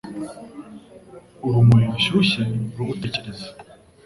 urumuri rushyushye rwo gutekereza